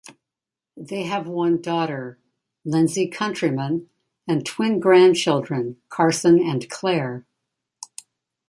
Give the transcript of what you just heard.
They have one daughter, Lindsay Countryman, and twin grandchildren Carson and Claire.